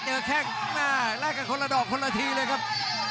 เนื้อแก้งหน้าแลกกับคนละดอกคนละทีเลยครับ